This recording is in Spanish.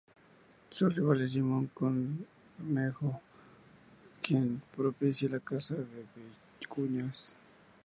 Su rival es Simón Cornejo, quien propicia la caza de vicuñas.